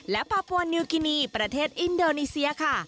และพาพวนนิวกินีประเทศอินโดนีเซียค่ะ